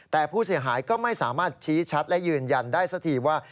แต่ผู้เสียหายก็ไม่สามารถชี้ชัดและยืนยันได้สักทีว่า